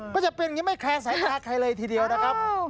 ก็จะเป็นอย่างนี้ไม่แคร์สายตาใครเลยทีเดียวนะครับ